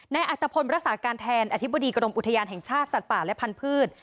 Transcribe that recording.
อัตภพลรักษาการแทนอธิบดีกรมอุทยานแห่งชาติสัตว์ป่าและพันธุ์